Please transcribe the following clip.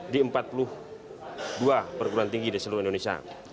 di empat puluh dua perguruan tinggi di seluruh indonesia